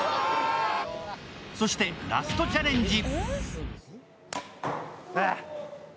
そしてラストチャレンジ。